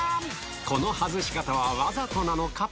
この外し方はわざとなのか？